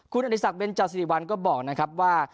คุณอริสักเบนจาสิริวัลก็บอกนะครับว่า